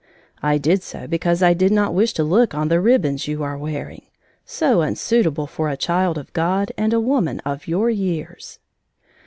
I did so because I did not wish to look on the ribbons you are wearing so unsuitable for a child of God and a woman of your years!"